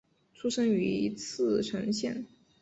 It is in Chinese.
出身于茨城县。